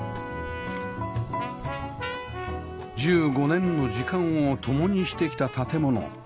１５年の時間を共にしてきた建物